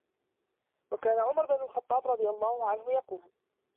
وَكَانَ عُمَرُ بْنُ الْخَطَّابِ رَضِيَ اللَّهُ عَنْهُ يَقُولُ